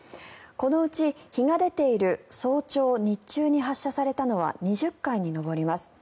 このうち日が出ている早朝、日中に発射されたのは２０回に上ります。